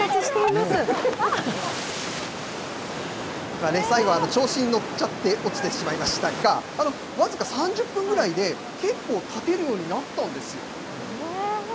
まあね、最後は調子に乗っちゃって、落ちてしまいましたが、僅か３０分ぐらいで、結構、立てるようになったんですよ。